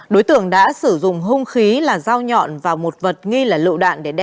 đối tượng đã sử dụng hung khí là dao nhọn và một vật nghi là lựu đạn để đe dọa